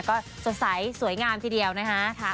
ก็สวยงามทีเดียวนะฮะ